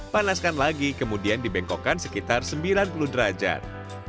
panaskan lagi kemudian dibengkokkan sekitar sembilan puluh derajat